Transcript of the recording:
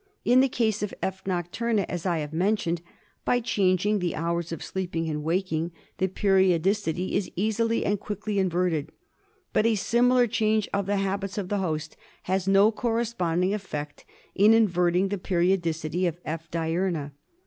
In the case of F. nocturna, as I have mentioned, by changing the hours of sleeping and waking the periodicity is easily and quickly inverted ; but a similar change of the habits of the host has no corresponding effect in inverting the periodicity of F. diurna.